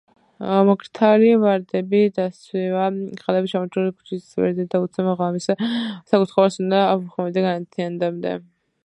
მკრთალი ვარდები დასცვივა ხელებს ჩამოიშლება შუქის პირბადე და უცნობ ღამის საკურთხეველს უნდა ვუხმობდე განთიადამდე